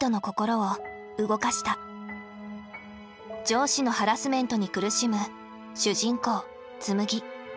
上司のハラスメントに苦しむ主人公紬。